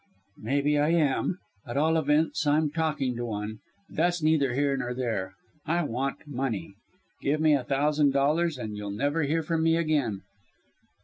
"Maybe I am at all events I'm talking to one. But that's neither here nor there. I want money. Give me a thousand dollars and you'll never hear from me again."